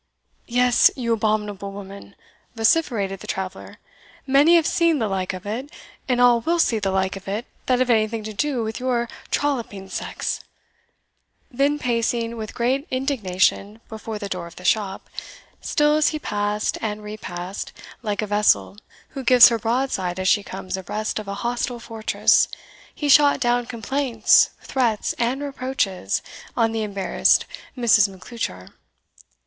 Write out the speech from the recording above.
"Yes, you abominable woman," vociferated the traveller, "many have seen the like of it, and all will see the like of it that have anything to do with your trolloping sex;" then pacing with great indignation before the door of the shop, still as he passed and repassed, like a vessel who gives her broadside as she comes abreast of a hostile fortress, he shot down complaints, threats, and reproaches, on the embarrassed Mrs. Macleuchar.